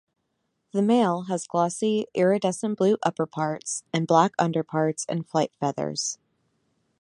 The male has glossy, iridescent blue upperparts, and black underparts and flight feathers.